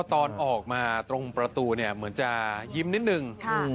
ตอนออกมาตรงประตูเหมือนจะหยิ้มนิดหนึ่ง